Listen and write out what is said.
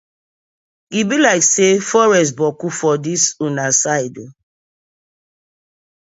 E bi layk say forest boku for dis una side oo?